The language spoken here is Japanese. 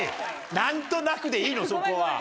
何となくでいいのそこは。